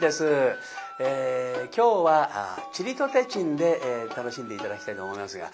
今日は「ちりとてちん」で楽しんで頂きたいと思いますが。